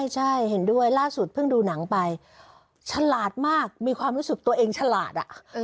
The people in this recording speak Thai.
ใช่เห็นด้วยล่าสุดเพิ่งดูหนังไปฉลาดมากมีความรู้สึกตัวเองฉลาด